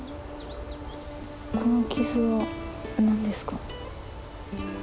この傷はなんですか？